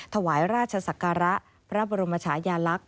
ถวายราชศักระพระบรมชายาลักษณ